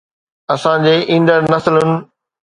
اسان جي ايندڙ نسلن